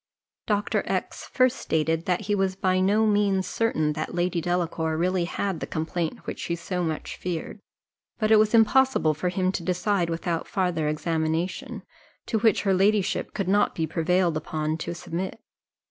Dr. X first stated that he was by no means certain that Lady Delacour really had the complaint which she so much dreaded; but it was impossible for him to decide without farther examination, to which her ladyship could not be prevailed upon to submit.